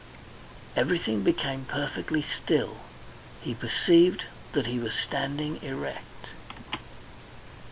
Everything became perfectly still. He perceived that he was standing erect.